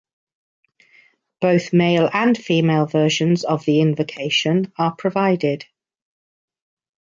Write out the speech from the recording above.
Both male and female versions of the invocation are provided.